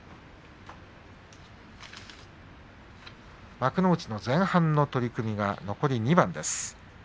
幕内の前半の取組が残り２番です。